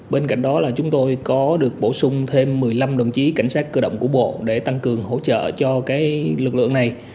bên cạnh đó là chúng tôi có được bổ sung thêm một mươi năm đồng chí cảnh sát cơ động của bộ để tăng cường hỗ trợ cho lực lượng này